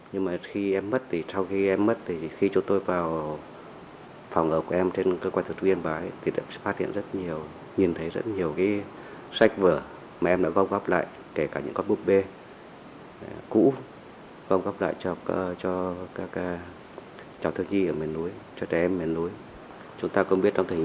nhưng mà khi em mất thì sau khi em mất thì khi chúng tôi vào phòng ở của em trên cơ quan thực viên bái thì đã phát hiện rất nhiều nhìn thấy rất nhiều cái sách vở mà em đã góp góp lại kể cả những góp búp bê cũ góp góp lại cho các cháu thương nhi ở mình